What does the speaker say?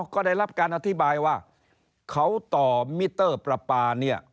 ก็ได้รับการอธิบายว่าเขาต่อมิเตอร์ประปาเนี่ย